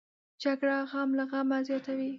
جګړه غم له غمه زیاتوي